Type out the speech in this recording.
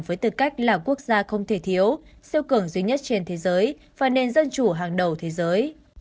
với tư cách là quốc gia không thể thiếu siêu cường duy nhất trên thế giới và nền dân chủ hàng đầu thế giới